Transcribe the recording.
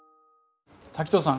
滝藤さん